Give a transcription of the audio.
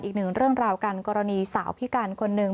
อีก๑เรื่องราวการกรณีสาวพิการคนนึง